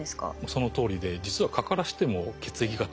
そのとおりで実は蚊からしても血液型は分からないです。